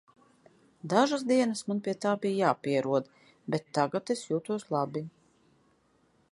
Dažas dienas man pie tā bija jāpierod, bet tagad es jūtos labi.